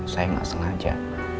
saya gak sengaja